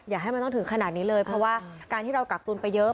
อย่าให้มันต้องถึงขนาดนี้เลยเพราะว่าการที่เรากักตุนไปเยอะ